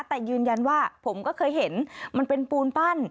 แต่ยืนยันว่าผมก็เคยเห็นมันเป็นปูนปั้น